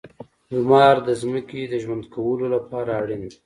• لمر د ځمکې د ژوند کولو لپاره اړین دی.